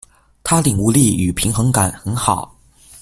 他領悟力與平衡感很好